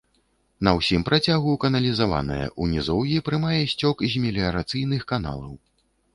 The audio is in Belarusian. На ўсім працягу каналізаваная, у нізоўі прымае сцёк з меліярацыйных каналаў.